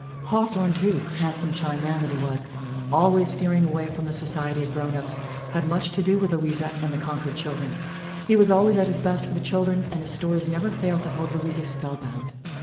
Hawthorne, too, handsome shy man that he was, always steering away from the society of grown ups, had much to do with Louisa and the Concord children. He was always at his best with children and his stories never failed to hold Louisa spellbound.